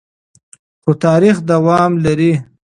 خو تاریخ دوام لري.